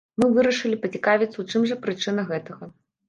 Мы вырашылі пацікавіцца, у чым жа прычына гэтага.